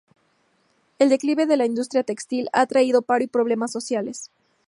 El declive de la industria textil ha traído paro y problemas sociales.